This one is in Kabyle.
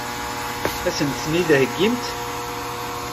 Ad sent-ten-id-theggimt?